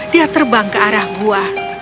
dia terbang ke arah gua